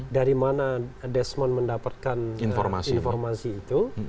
dari mana desmond mendapatkan informasi itu